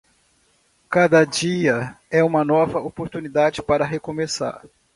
Cada dia é uma nova oportunidade para recomeçar.